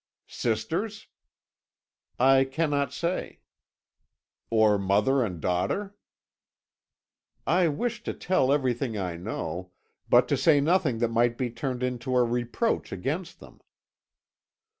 "Sisters?" "I cannot say." "Or mother and daughter?" "I wish to tell everything I know, but to say nothing that might be turned into a reproach against them."